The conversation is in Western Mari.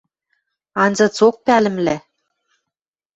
Анзыцок пӓлӹмлӓ.